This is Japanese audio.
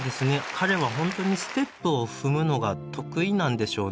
彼はほんとにステップを踏むのが得意なんでしょうね。